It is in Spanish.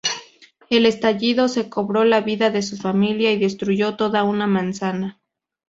El estallido se cobró la vida de su familia y destruyó toda una manzana.